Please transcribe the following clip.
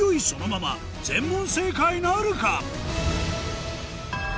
そのまま全問正解なるか？